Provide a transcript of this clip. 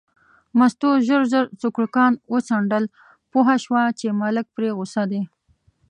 مستو ژر ژر سوکړکان وڅنډل، پوه شوه چې ملک پرې غوسه دی.